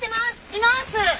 います！